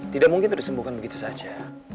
tidak mungkin tersembuhkan begitu saja